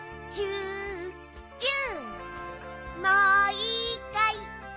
もういいかい？